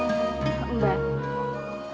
aku akan menanggungmu